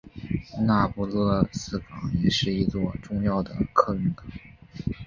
那不勒斯港也是一座重要的客运港。